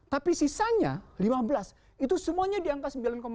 tapi sisanya lima belas itu semuanya di angka sembilan empat puluh satu